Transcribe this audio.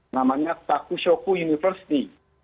namanya takushoku university